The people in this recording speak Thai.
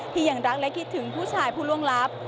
ยังรักและคิดถึงผู้ชายผู้ล่วงลับ